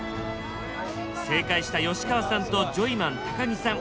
正解した吉川さんとジョイマン高木さん